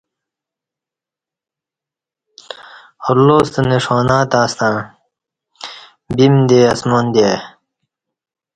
اللہ ستہ نݜانہ تݩع ستݩع بیم دے اسمان دی آئی